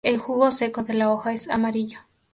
El jugo seco de la hoja es amarillo.